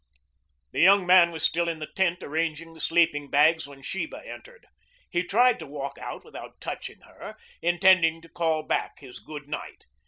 The young man was still in the tent arranging the sleeping bags when Sheba entered. He tried to walk out without touching her, intending to call back his good night.